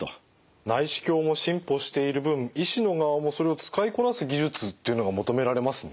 内視鏡も進歩している分医師の側もそれを使いこなす技術っていうのが求められますね。